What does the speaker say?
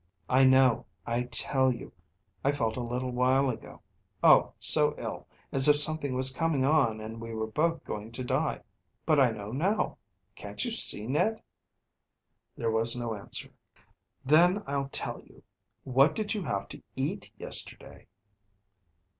"I know, I tell you I felt a little while ago oh, so ill, as if something was coming on and we were both going to die. But I know now. Can't you see, Ned?" There was no answer. "Then I'll tell you. What did you have to eat yesterday?"